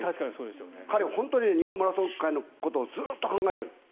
彼は本当に日本マラソン界のことをずっと考えている。